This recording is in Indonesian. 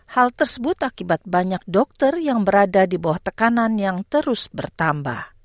hal tersebut akibat banyak dokter yang berada di bawah tekanan yang terus bertambah